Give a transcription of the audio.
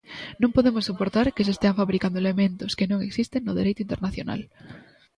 Non podemos soportar que se estean fabricando elementos que non existen no Dereito Internacional.